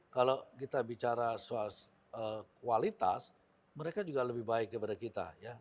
kalau kita bicara soal kualitas mereka juga lebih baik daripada kita